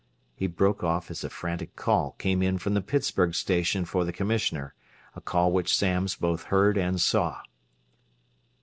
He broke off as a frantic call came in from the Pittsburgh station for the Commissioner, a call which Samms both heard and saw.